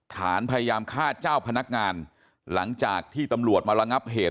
ฐานพยายามฆ่าเจ้าพนักงานหลังจากที่ตำรวจมาระงับเหตุ